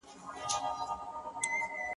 له بدانو سره ښه په دې معنا ده،